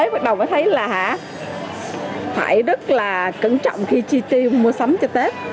bắt đầu phải thấy là phải rất là cẩn trọng khi chi tiêu mua sắm cho tết